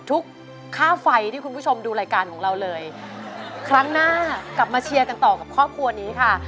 ค่าไฟที่คุณผู้ชมดูรายการของเราเลยครั้งหน้ากลับมาเชียร์กันต่อกับครอบครัวนี้ค่ะ